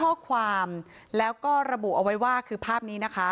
ข้อความแล้วก็ระบุเอาไว้ว่าคือภาพนี้นะคะ